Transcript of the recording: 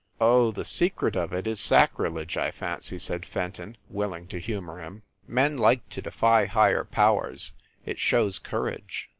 "Oh, the secret of it is sacrilege, I fancy," said Fenton, willing to humor him. "Men like to defy higher powers it shows courage."